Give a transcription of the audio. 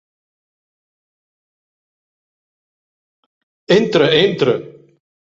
Entra, entra!